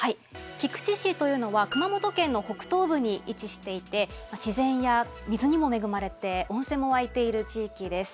菊池市というのは熊本県の北東部に位置していて自然や水にも恵まれて温泉も湧いている地域です。